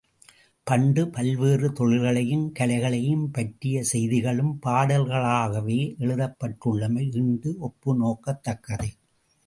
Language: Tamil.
பண்டு பல்வேறு தொழில்களையும் கலைகளையும் பற்றிய செய்திகளும் பாடல்களாகவே எழுதப்பட்டுள்ளமை ஈண்டு ஒப்பு நோக்கத்தக்கது.